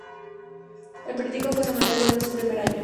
El periódico fue semanal durante su primer año.